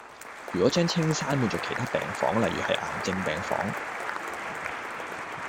如果將青山換做其他病房例如係癌症病房